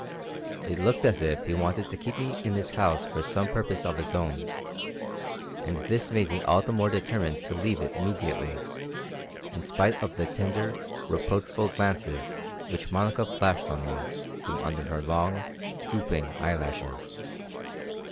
It looked as if he wanted to keep me in his house for some purpose of his own, and this made me all the more determined to leave it immediately, in spite of the tender, reproachful glances which Monica flashed on me from under her long, drooping eyelashes.